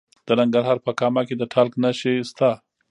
د ننګرهار په کامه کې د تالک نښې شته.